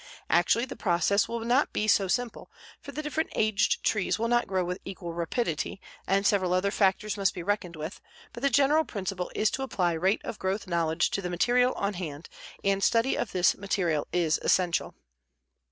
Actually the process will not be so simple, for the different aged trees will not grow with equal rapidity, and several other factors must be reckoned with, but the general principle is to apply rate of growth knowledge to the material on hand, and study of this material is essential.